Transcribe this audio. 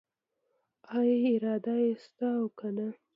آیا اراده یې شته او کنه؟